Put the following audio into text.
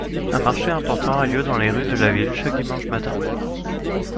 Un marché important a lieu dans les rues de la ville chaque dimanche matin.